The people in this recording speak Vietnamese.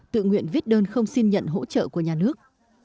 tự nguyện viết đơn không xin nhận hỗ trợ của nhà nước